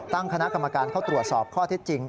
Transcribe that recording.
ตั้งคณะกรรมการเข้าตรวจสอบข้อเท็จจริง